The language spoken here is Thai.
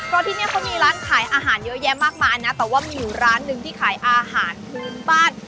เพราะที่นี่เขามีร้านขายอาหารเยอะแยะมากมายนะแต่ว่ามีอยู่ร้านหนึ่งที่ขายอาหารพื้นบ้าน